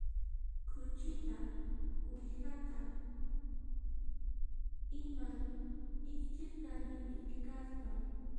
Khuchita uwihata iman ichiq kani irqi kaspaqa